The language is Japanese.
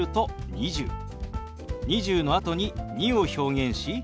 「２０」のあとに「２」を表現し「２２」。